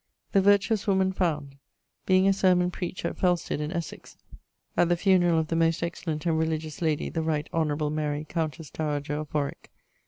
'THE VIRTUOUS WOMAN FOUND: Being a Sermon preached at Felsted, in Essex, at the Funerall of the most excellent and religious lady, the Right honourable MARY Countesse Dowager of Warwick.